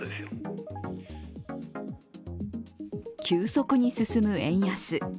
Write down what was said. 急速に進む円安。